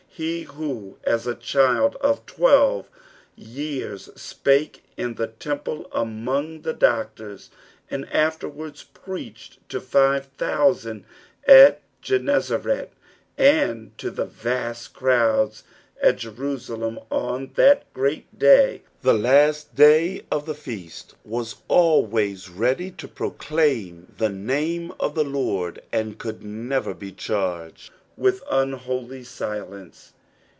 He who ns a child of twelve years spake in the temple among the doctors, and afterwards preached to Bve thousand at Gennesarel, and to the vast crowds at Jerusalem on that great day, the last day of I he feast, wssalwsvs resdy to proclaim the name of the Lord, and could never be charged with unholy Mlence.